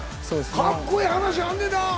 かっこええ話あんねんなぁ。